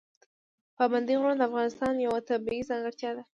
پابندی غرونه د افغانستان یوه طبیعي ځانګړتیا ده.